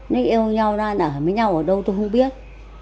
nó yêu nhau ra nở với nhau ở đâu tôi không biết